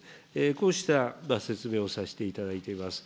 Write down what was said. こうした説明をさせていただいています。